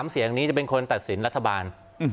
๓เสียงนี้จะเป็นคนตัดสินรัฐบาล